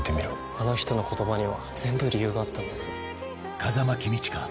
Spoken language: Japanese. あの人の言葉には全部理由があったんです。